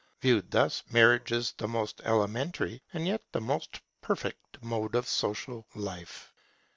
Viewed thus, Marriage is the most elementary and yet the most perfect mode of social life.